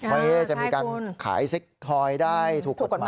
แอ๊จะมีการขายเซ็กทอยได้ถูกผลไหม